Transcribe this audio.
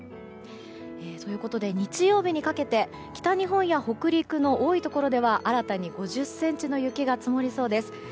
ということで日曜日にかけて北日本や北陸の多いところでは新たに５０ｃｍの雪が積もりそうです。